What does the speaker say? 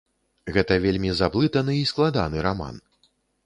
Гэта вельмі заблытаны і складаны раман.